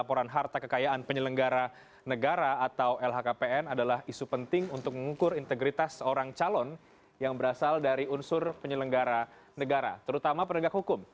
pertama pansel satu ratus sembilan puluh dua atau lhkpn adalah isu penting untuk mengukur integritas seorang calon yang berasal dari unsur penyelenggara negara terutama penegak hukum